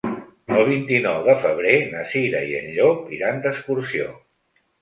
El vint-i-nou de febrer na Cira i en Llop iran d'excursió.